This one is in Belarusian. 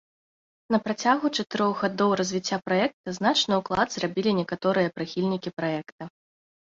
На працягу чатырох гадоў развіцця праекта значны ўклад зрабілі некаторыя прыхільнікі праекта.